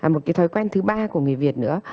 một cái thói quen thứ ba của người việt nữa